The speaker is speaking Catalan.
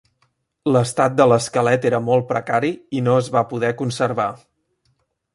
L'estat de l'esquelet era molt precari i no es va poder conservar.